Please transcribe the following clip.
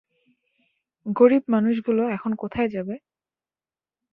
গরিব মানুষগুলো এখন কোথায় যাবে?